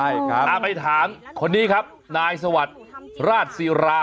ใช่ครับไปถามคนนี้ครับนายสวัสดิ์ราชศิรา